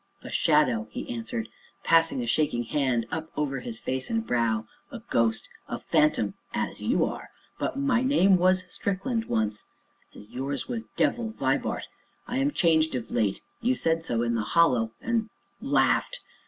"A shadow," he answered, passing a shaking hand up over his face and brow, "a ghost a phantom as you are; but my name was Strickland once, as yours was Devil Vibart. I am changed of late you said so in the Hollow, and laughed.